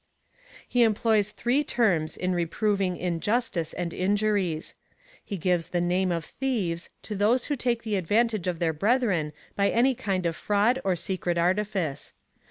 He employs three terms in reproving injustice and in juries. He gives the name of thieves to those who take the advantage of their brethren by any kind of fraud or secret artifice.